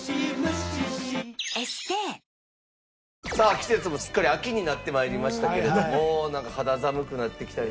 季節もすっかり秋になって参りましたけれどもなんか肌寒くなってきたり。